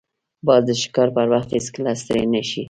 باز د ښکار پر وخت هیڅکله ستړی نه شي